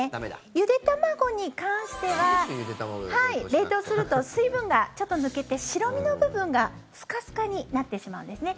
ゆで卵に関しては冷凍すると水分がちょっと抜けて白身の部分がスカスカになってしまうんですね。